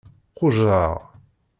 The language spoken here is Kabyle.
Qujjṛeɣ.